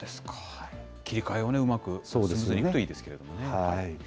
切り替えをうまく進めていけるといいですけどね。